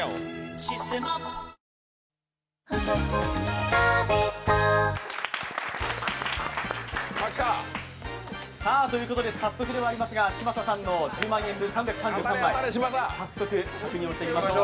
「システマ」早速ではありますが、嶋佐さんの２０万円分、３３３枚、早速、確認をしていきましょう。